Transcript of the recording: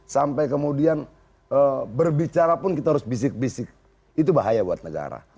sampai kemudian berbicara pun kita harus bisik bisik itu bahaya buat negara